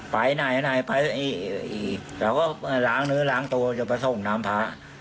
ไปไหนไหนไปเราก็ล้างเนื้อล้างตัวจะไปส่งน้ำพระ